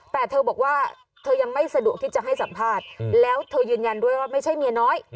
แต่เธอบอกว่าเธอยังไม่สะดวกที่จะให้สัมภาษณ์แล้วเธอยืนยันด้วยว่าไม่ใช่เมียน้อย